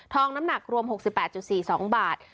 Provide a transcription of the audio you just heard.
น้ำหนักรวม๖๘๔๒บาท